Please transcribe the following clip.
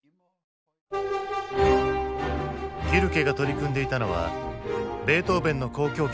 ギュルケが取り組んでいたのはベートーヴェンの交響曲